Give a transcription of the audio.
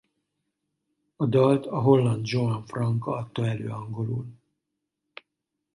A dalt a holland Joan Franka adta elő angolul.